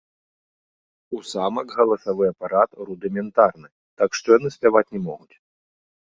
У самак галасавы апарат рудыментарны, так што яны спяваць не могуць.